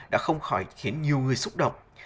đã không khỏi khiến nhiều người xúc động